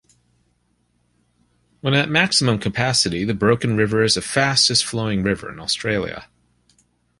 When at maximum capacity, the Broken River is the fastest flowing river in Australia.